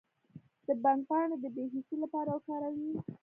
د بنګ پاڼې د بې حسی لپاره وکاروئ